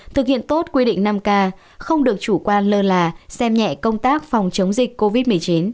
thực hiện tốt quy định năm k không được chủ quan lơ là xem nhẹ công tác phòng chống dịch covid một mươi chín